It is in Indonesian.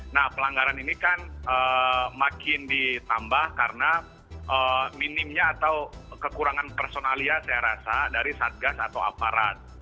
nah pelanggaran ini kan makin ditambah karena minimnya atau kekurangan personalia saya rasa dari satgas atau aparat